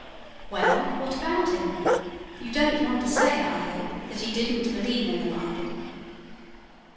"Well, what about him? You don't want to say, I hope, that he didn't believe in the Bible?"